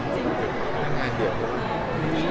ไม่ได้อะไร